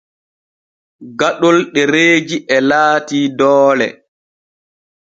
Gaɗol ɗereeji e laati doole.